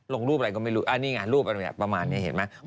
ลงรูปอะไรก็ไม่รู้อันนี้ไงรูปอะไรประมาณนี้เห็นไหม